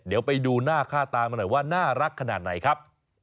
เดี๋ยวไปดูหน้าค่าตามันหน่อยว่าน่ารักขนาดไหนครับ